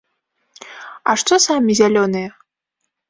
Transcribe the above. А што самі зялёныя?